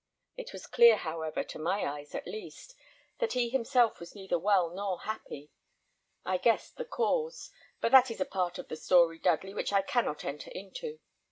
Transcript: It was clear, however, to my eyes, at least, that he himself was neither well nor happy. I guessed the cause; but that is a part of the story, Dudley, which I cannot enter into.